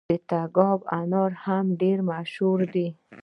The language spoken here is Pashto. د تګاب انار هم ډیر مشهور دي.